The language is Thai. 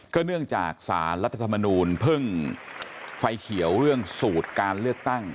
เนื่องจากสารรัฐธรรมนูลเพิ่งไฟเขียวเรื่องสูตรการเลือกตั้ง